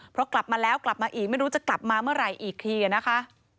เพราะกลับมาแล้วกลับมาอีกไม่รู้จะกลับมาเมื่อไหร่อีกทีนะคะ